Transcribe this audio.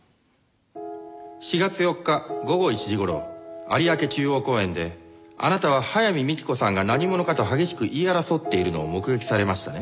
４月４日午後１時頃有明中央公園であなたは早見幹子さんが何者かと激しく言い争っているのを目撃されましたね？